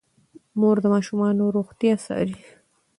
مور د ماشومانو روغتیا څاري.